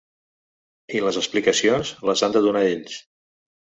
I les explicacions les han de donar ells.